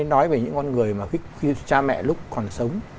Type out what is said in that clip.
nói về những con người mà cha mẹ lúc còn sống